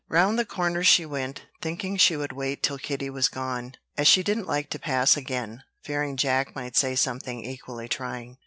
Round the corner she went, thinking she would wait till Kitty was gone; as she didn't like to pass again, fearing Jack might say something equally trying.